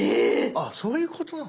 あっそういうことなの？